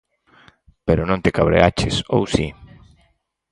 –Pero non te cabreaches, ¿ou si?